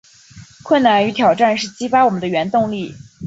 困难与挑战是激发我们的原动力